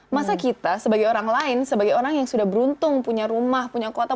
masa kita sebagai orang lain sebagai orang yang sudah beruntung punya rumah punya kuota